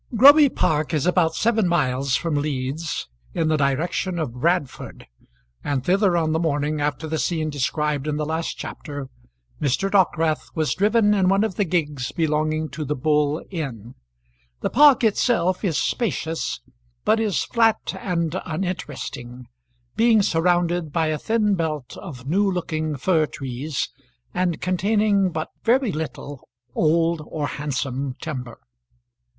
Groby Park is about seven miles from Leeds, in the direction of Bradford, and thither on the morning after the scene described in the last chapter Mr. Dockwrath was driven in one of the gigs belonging to the Bull Inn. The park itself is spacious, but is flat and uninteresting, being surrounded by a thin belt of new looking fir trees, and containing but very little old or handsome timber.